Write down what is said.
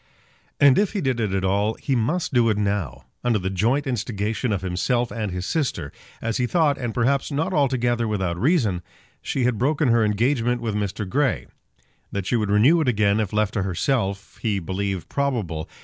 And if he did it at all, he must do it now. Under the joint instigation of himself and his sister, as he thought, and perhaps not altogether without reason, she had broken her engagement with Mr. Grey. That she would renew it again if left to herself, he believed probable.